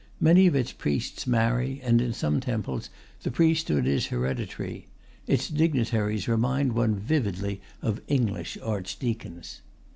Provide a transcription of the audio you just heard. Many of its priests marry, and in some temples the priesthood is hereditary. Its dignitaries remind one vividly of English Archdeacons.